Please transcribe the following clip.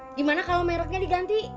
bagaimana kalau merknya diganti